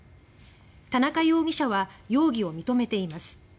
田中容疑者は容疑を認めています。